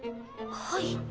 はい。